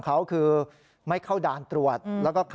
คือวันเสาร์ที่๒๑สิงหาคม